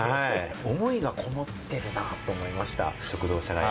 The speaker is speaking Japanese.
思いがこもってるなと思いました。